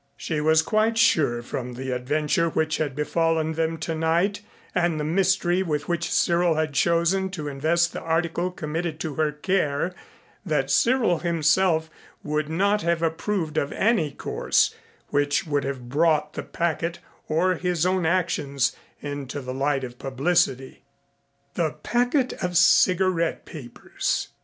She was quite sure, from the adventure which had befallen them tonight, and the mystery with which Cyril had chosen to invest the article committed to her care, that Cyril himself would not have approved of any course which would have brought the packet or his own actions into the light of publicity. The packet of cigarette papers!